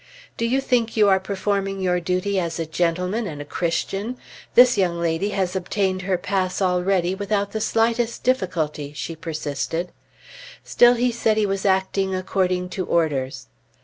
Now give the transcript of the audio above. "Do you think you are performing your duty as a gentleman and a Christian? This young lady has obtained her pass already, without the slightest difficulty," she persisted. Still he said he was acting according to orders.